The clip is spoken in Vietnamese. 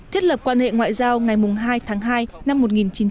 thiết lập quan hệ ngoại giao ngày hai tháng hai năm một nghìn chín trăm năm mươi